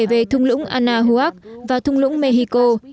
về thung lũng anahuac và thung lũng mexico